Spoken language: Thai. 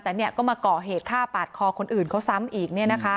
แต่ก็มาก่อเหตุฆ่าปาดคอคนอื่นเขาซ้ำอีก